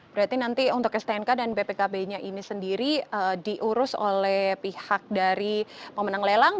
berarti nanti untuk stnk dan bpkb nya ini sendiri diurus oleh pihak dari pemenang lelang